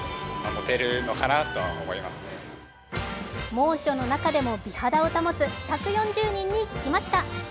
猛暑の中でも美肌を保つ１４０人に聞きました。